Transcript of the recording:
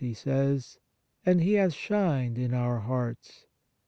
he says ; and "He hath shined in our hearts."